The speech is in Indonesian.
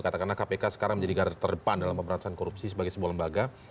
karena kpk sekarang menjadi garis terdepan dalam pemerintahan korupsi sebagai sebuah lembaga